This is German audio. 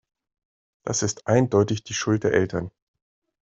Das ist eindeutig die Schuld der Eltern.